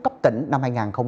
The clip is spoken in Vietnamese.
cấp tỉnh năm hai nghìn hai mươi